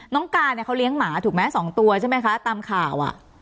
น้องการเนี่ยเขาเลี้ยงหมาถูกไหม๒ตัวใช่ไหมคะตามข่าว